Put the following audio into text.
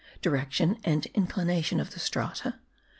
DIRECTION AND INCLINATION OF THE STRATA.